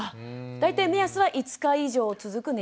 あ大体目安は５日以上続く熱？